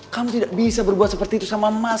kamu tidak bisa berbuat seperti itu sama mas